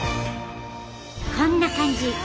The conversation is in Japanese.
こんな感じ。